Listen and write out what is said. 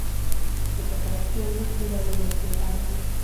چې په پیسو نه شي رانیول کېدای.